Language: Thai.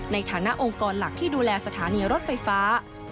ในฐานะองค์กรหลักที่ดูแลสถานีรถไฟฟ้า